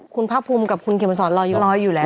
คุณภาพรุมกับคุณเขียงบรรซอนรออยู่แล้ว